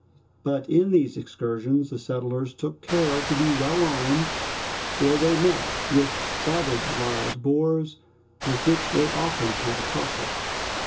But in these excursions the settlers took care to be well armed, for they met with savage wild boars, with which they often had a tussle.